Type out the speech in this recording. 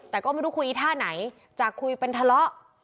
แต่ก็ไม่รู้คุยท่าไหนจากคุยเป็นทะเลาะ